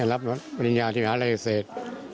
แล้วรับปริญญาที่หาลัยเศษ